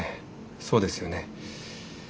そうですよね。